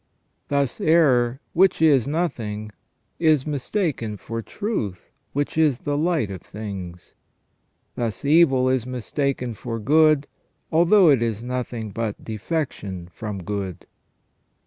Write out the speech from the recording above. Thus error, which is nothing, is mistaken for truth, which is the light of things. Thus evil is mistaken for good, although it is nothing but defection from good.